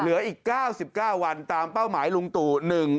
เหลืออีก๙๙วันตามเป้าหมายลุงตู่